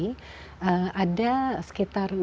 ada sebuah hutan yang diperlukan oleh bapak desi